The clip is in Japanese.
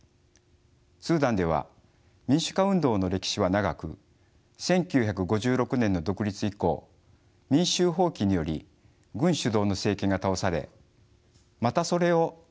スーダンでは民主化運動の歴史は長く１９５６年の独立以降民衆蜂起により軍主導の政権が倒されまたそれを軍部が覆す